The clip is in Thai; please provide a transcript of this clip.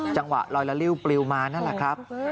จังหวะลอยละริ้วปลิวมานั่นแหละครับ